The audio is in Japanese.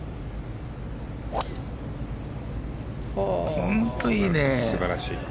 本当いいね。